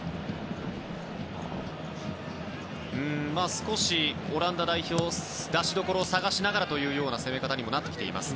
少しオランダ代表出しどころを探しながらという攻め方にもなっています。